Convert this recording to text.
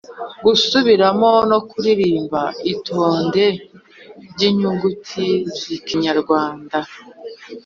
-gusubiramo no kuririmba itonde ry’inyuguti z’ikinyarwanda